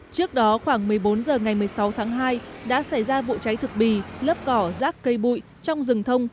trước đó khoảng một mươi bốn h ngày một mươi sáu tháng hai đã xảy ra vụ cháy thực bì lớp cỏ rác cây bụi trong rừng thông